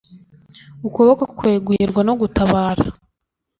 ukuboko kwe guhirwa no gutabara